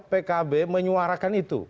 pkb menyuarakan itu